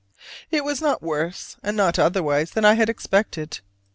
It was not worse and not otherwise than I had expected.